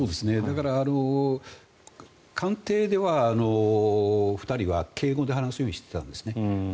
だから、官邸では２人は敬語で話すようにしていたんです。